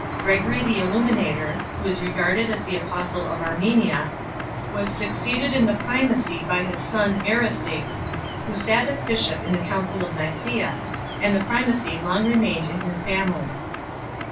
Gregory the Illuminator, who is regarded as the apostle of Armenia, was succeeded in the primacy by his son Aristakes, who sat as bishop at the Council of Nicsea, and the primacy long remained in his family.